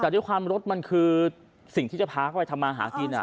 แต่ด้วยความรถมันคือสิ่งที่จะพาเขาไปทำมาหากิน